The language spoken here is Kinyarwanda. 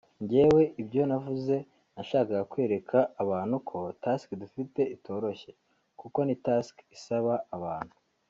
“Njyewe ibyo navuze nashakaga kwereka abantu ko task dufite itoroshye…kuko ni task isaba abantu